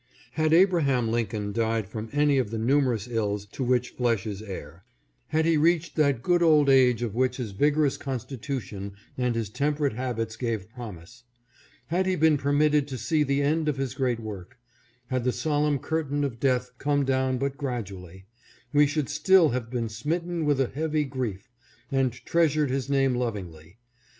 Had Abraham Lincoln died from any of the numerous ills to which flesh is heir ; had he reached that good old age of which his vigorous constitution and his temperate habits gave promise ; had he been permitted to see the end of his great work ; had the solemn curtain of death come down but gradually, we should still have been smitten with a heavy grief, and treasured his name lovingly.